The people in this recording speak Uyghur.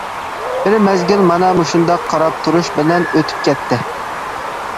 بىر مەزگىل مانا مۇشۇنداق قاراپ تۇرۇش بىلەن ئۆتۈپ كەتتى.